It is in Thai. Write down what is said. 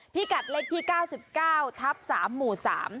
พี่กัดเล็กที่๙๙ทับ๓หมู่๓